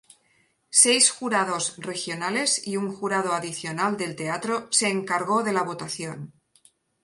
Seis jurados regionales y un jurado adicional del teatro se encargó de la votación.